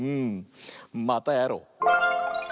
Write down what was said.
またやろう！